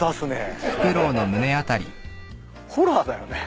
ホラーだよね？